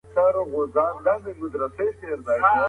که په کیبورډ کي توري نه ښکاري نو لیکل ورسره سختېږي.